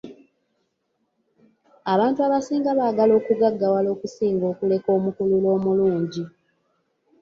Abantu abasinga baagala okugaggawala okusinga okuleka omukululo omulungi.